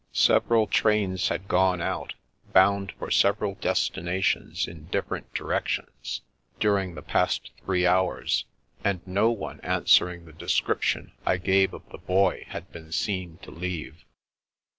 Several trains had gone out, bound for several destinations in different directions, during the past three hours, and no one answering the description I gave of the Boy had been seen to leave.